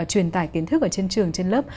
truyền tải kiến thức ở trên trường trên lớp